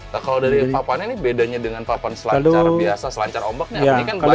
kalau dari papan ini bedanya dengan papan selancar biasa selancar ombaknya